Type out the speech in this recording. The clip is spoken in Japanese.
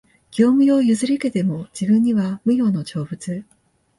業務用を譲り受けても、自分には無用の長物